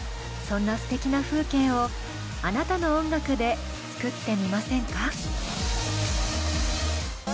そんなすてきな風景をあなたの音楽で作ってみませんか？